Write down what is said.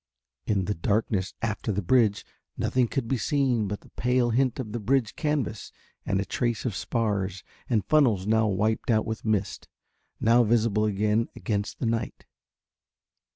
In the darkness aft of the bridge nothing could be seen but the pale hint of the bridge canvas and a trace of spars and funnels now wiped out with mist, now visible again against the night.